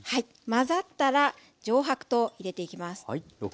混ざったら上白糖入れていきます。